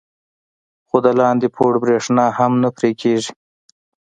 خو د لاندې پوړ برېښنا هم نه پرې کېږي.